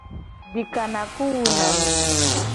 Dikanaku wuna ame.